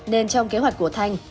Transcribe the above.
nên trong kế hoạch của thanh